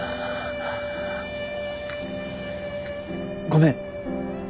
ごめん。